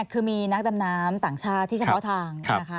คือมีนักดำน้ำต่างชาติที่เฉพาะทางนะคะ